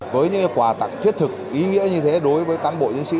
với những quà tặng thiết thực ý nghĩa như thế đối với cán bộ chiến sĩ